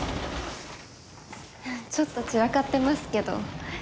ちょっと散らかってますけど。